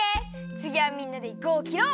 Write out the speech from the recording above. つぎはみんなでぐをきろう！